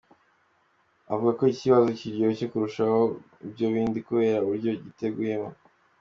Avuga ko iki kizaba kiryoshye kurusha ibyo bindi kubera uburyo giteguyemo.